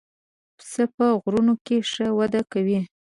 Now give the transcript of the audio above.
پسه په غرونو کې ښه وده کوي.